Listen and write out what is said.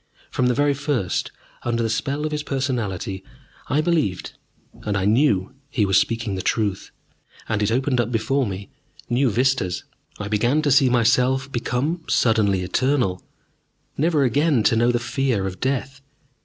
From the very first, under the spell of his personality, I believed, and I knew he was speaking the truth. And it opened up before me new vistas. I began to see myself become suddenly eternal, never again to know the fear of death.